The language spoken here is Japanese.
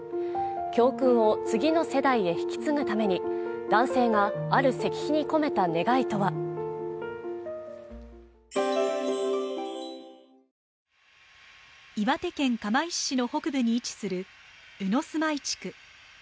教訓を次の世代へ引き継ぐために、男性が、ある石碑に込めた願いとは岩手県釜石市の北部に位置する鵜住居地区。